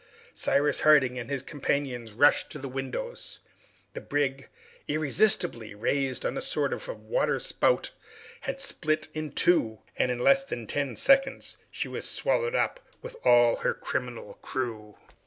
Cyrus Harding and his companions rushed to one of the windows The brig, irresistibly raised on a sort of water spout, had just split in two, and in less than ten seconds she was swallowed up with all her criminal crew!